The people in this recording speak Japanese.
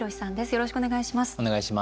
よろしくお願いします。